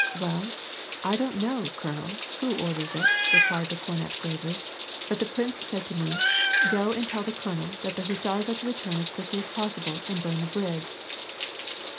" Well, I don't know, colonel, who orders it," replied the cornet, gravely, " but the prince said to me :^ Go and tell the colonel that the hussars are to return as quickly as possible and burn the bridge.'